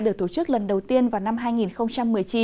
được tổ chức lần đầu tiên vào năm hai nghìn một mươi chín